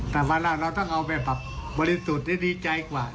แต่เพราะเราต้องเอาไปบริสุทธิ์ดีใจกว่า